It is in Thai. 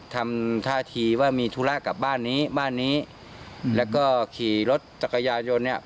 ทำท่าทีว่ามีธุระกับบ้านนี้บ้านนี้แล้วก็ขี่รถจักรยานยนต์เนี่ย